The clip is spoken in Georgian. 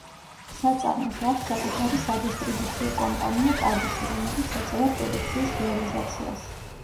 საწარმოს აქვს საკუთარი სადისტრიბუციო კომპანია „კადისი“, რომელიც ეწევა პროდუქციის რეალიზაციას.